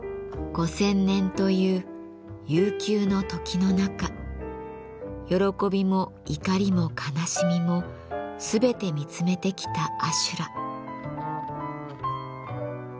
５，０００年という悠久の時の中喜びも怒りも悲しみもすべて見つめてきた阿修羅。